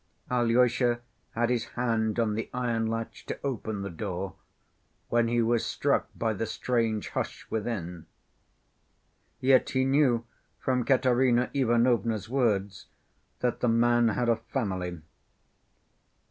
Alyosha had his hand on the iron latch to open the door, when he was struck by the strange hush within. Yet he knew from Katerina Ivanovna's words that the man had a family.